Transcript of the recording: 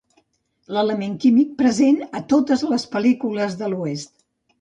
L'element químic present a totes les pel·lícules de l'oest.